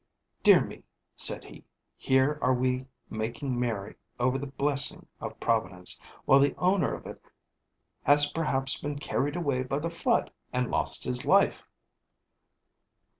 "Dear me," said he, "here are we making merry over the blessing of Providence, while the owner of it has perhaps been carried away by the flood, and lost his life!"